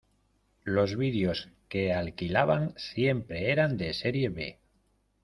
Los vídeos que alquilaba siempre eran de serie B.